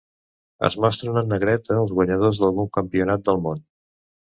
Es mostren en negreta els guanyadors d'algun campionat del món.